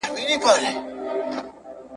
په شنه سهار یې دی د کومي بلا مخ لیدلی